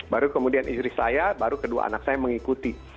baru kemudian istri saya baru kedua anak saya mengikuti